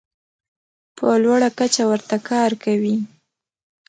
په لوړه کچه ورته کار کوي.